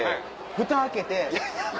ふた開けて。